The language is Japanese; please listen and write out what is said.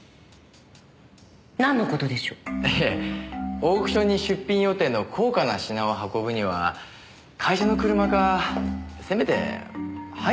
オークションに出品予定の高価な品を運ぶには会社の車かせめてハイヤーでしょう。